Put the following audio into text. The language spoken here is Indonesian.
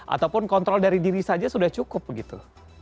ataupun kontrol dari diri saja sudah cukup begitu